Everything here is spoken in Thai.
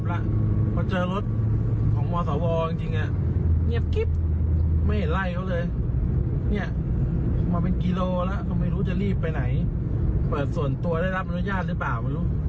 อาถะเปิดเสียงไล่เขาแล้ว